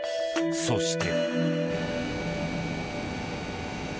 そして。